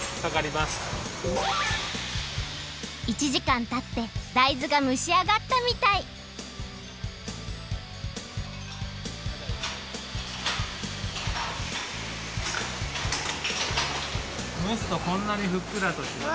１じかんたって大豆がむしあがったみたいむすとこんなにふっくらとします。